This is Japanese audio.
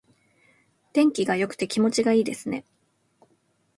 天気が良くて気持ちがいいですね。